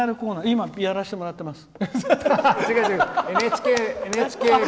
今、やらせてもらってます。